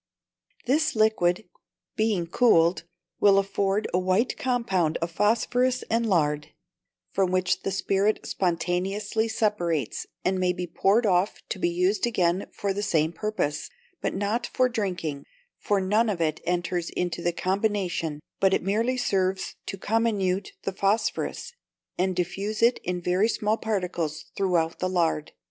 This liquid, being cooled, will afford a white compound of phosphorus and lard, from which the spirit spontaneously separates, and may be poured off to be used again for the same purpose, but not for drinking, for none of it enters into the combination, but it merely serves to comminute the phosphorus, and diffuse it in very small particles through the lard.